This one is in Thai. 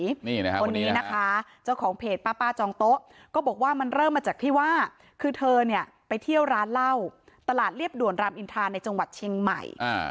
นี่นะคะคนนี้นะคะเจ้าของเพจป้าจองโต๊ะก็บอกว่ามันเริ่มมาจากที่ว่าคือเธอเนี่ยไปเที่ยวร้านเหล้าตลาดเรียบด่วนรามอินทาในจังหวัดเชียงใหม่